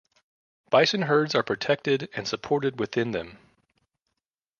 Bison herds are protected and supported within them.